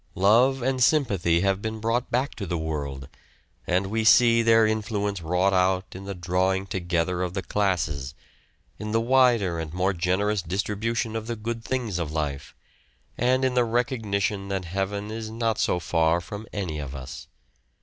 Love and sympathy have been brought back to the world, and we see their influence wrought out in the drawing together of the classes, in the wider and more generous distribution of the good things of life, and in the recognition that heaven is not so far from any of us.